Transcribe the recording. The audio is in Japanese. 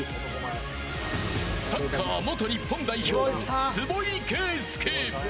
サッカー元日本代表、坪井慶介。